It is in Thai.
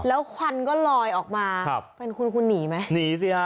แล้วควันก็ลอยออกมาครับเป็นคุณคุณหนีไหมหนีสิฮะ